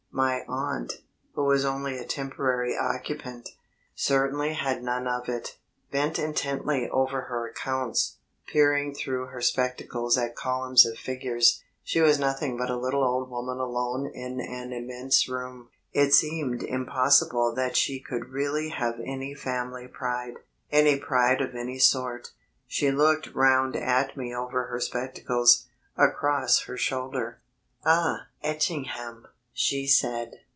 My aunt, who was only a temporary occupant, certainly had none of it. Bent intently over her accounts, peering through her spectacles at columns of figures, she was nothing but a little old woman alone in an immense room. It seemed impossible that she could really have any family pride, any pride of any sort. She looked round at me over her spectacles, across her shoulder. "Ah ... Etchingham," she said.